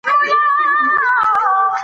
که ماشوم ته نیک اخلاق وښودل سي، هغه به ښه سي.